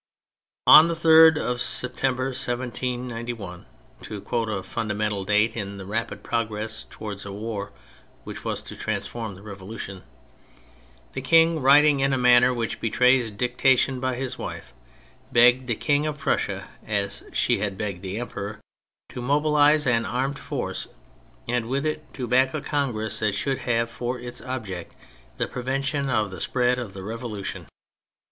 On the 3rd of December, 1791 (to quote a fundamental date in the rapid progress towards the war which was to transform the Revolution), the King — writing in a manner which betrays dictation by his wife — begged the King of Prussia (as she had begged the Emperor) to mobilise an armed force, and with it to back a Congress that should have for its object the prevention of the spread of the Revolution.